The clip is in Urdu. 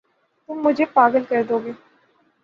تم مجھے پاگل کر دو گے